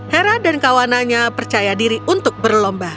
hera dan kawanannya percaya diri untuk berlomba